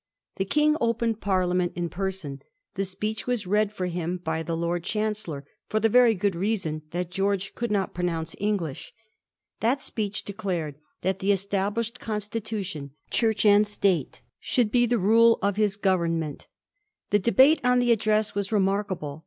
The King opened Parliament in person. The Speech was read for him by the Lord Chancellor, for the very good reason that George could not pronounce English. That Speech declared that the established Constitution — Church and State — should be the rule of his government. The debate on the Address was remarkable.